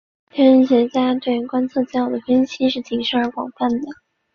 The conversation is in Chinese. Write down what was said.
天文学家对观测资料的分析是谨慎而广泛的。